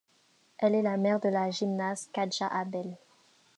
Elle est la mère de la gymnaste Katja Abel.